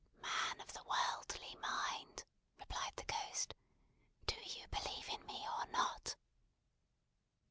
"Man of the worldly mind!" replied the Ghost, "do you believe in me or not?"